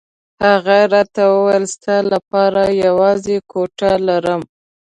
هغه راته وویل ستا لپاره یوازې کوټه لرم.